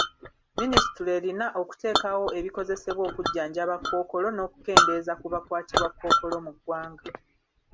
Minisitule erina okuteekawo ebikozesebwa okujjanjaba Kkookolo n'okukendeeza ku bakwatibwa Kkookolo mu ggwanga.